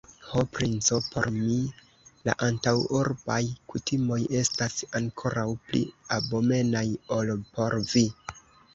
Ho, princo, por mi la antaŭurbaj kutimoj estas ankoraŭ pli abomenaj, ol por vi!